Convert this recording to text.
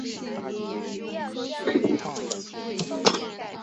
在场上的位置是右后卫。